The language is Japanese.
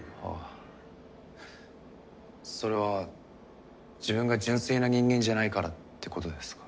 それは自分が純粋な人間じゃないからってことですか？